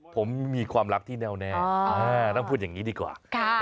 ไปที่ควายชมปากโทนดีกว่า